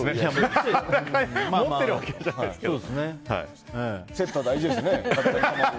持ってるわけじゃないですけど。